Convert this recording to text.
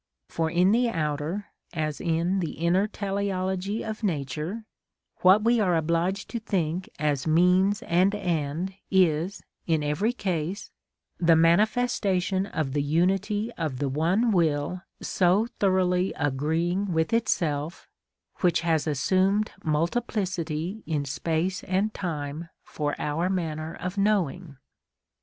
For in the outer as in the inner teleology of nature, what we are obliged to think as means and end is, in every case, the manifestation of the unity of the one will so thoroughly agreeing with itself, which has assumed multiplicity in space and time for our manner of knowing.